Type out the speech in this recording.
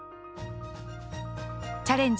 「チャレンジ！